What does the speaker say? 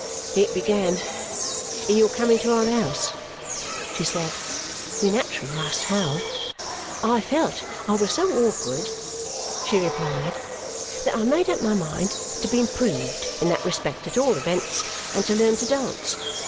"It began in your coming to our house," she said. We naturally asked how. "I felt I was so awkward," she replied, "that I made up my mind to be improved in that respect at all events and to learn to dance.